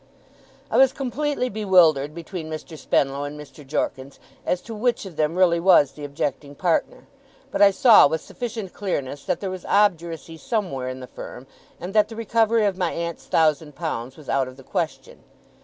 I was completely bewildered between Mr. Spenlow and Mr. Jorkins, as to which of them really was the objecting partner; but I saw with sufficient clearness that there was obduracy somewhere in the firm, and that the recovery of my aunt's thousand pounds was out of the question.